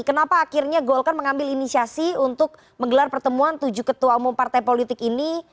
kenapa akhirnya golkar mengambil inisiasi untuk menggelar pertemuan tujuh ketua umum partai politik ini